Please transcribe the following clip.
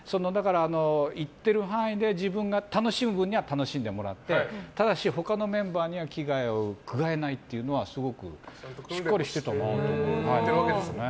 行ってる範囲で自分が楽しむ分には楽しんでもらってただし、他のメンバーには危害を加えないっていうのはすごくしっかりしてたなと。